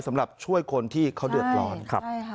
สำหรับช่วยคนที่เขาเดือดร้อนครับ